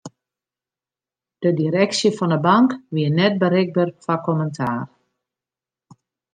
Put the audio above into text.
De direksje fan 'e bank wie net berikber foar kommentaar.